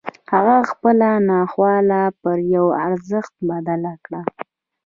هغه خپله ناخواله پر يوه ارزښت بدله کړه.